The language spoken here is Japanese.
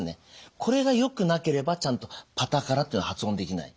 これがよくなければちゃんと「パタカラ」っていうの発音できない。